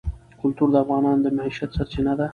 کلتور د افغانانو د معیشت سرچینه ده.